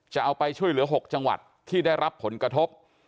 จะเอาไปช่วยเหลือ๖จังหวัดที่ได้รับผลกระทบ